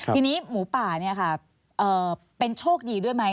ทีนี้หมูป่าเป็นโชคดีด้วยไหม